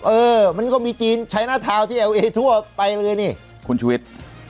เออมันก็มีจีนใช้หน้าทาวน์ที่เอาเอทั่วไปเลยนี่คุณชุวิต